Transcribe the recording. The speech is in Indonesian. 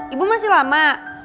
ibu masih lama